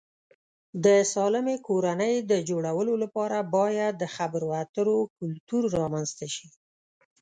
د سالمې کورنۍ د جوړولو لپاره باید د خبرو اترو کلتور رامنځته شي.